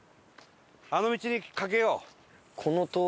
あの道に賭けよう。